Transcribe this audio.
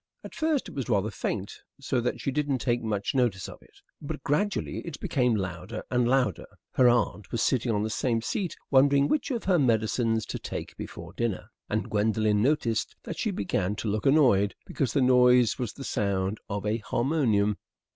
At first it was rather faint, so that she didn't take much notice of it, but gradually it became louder and louder. Her aunt was sitting on the same seat wondering which of her medicines to take before dinner, and Gwendolen noticed that she began to look annoyed, because the noise was the sound of a harmonium.